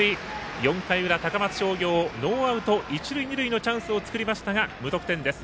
４回裏、高松商業ノーアウト、一塁二塁のチャンスを作りましたが無得点です。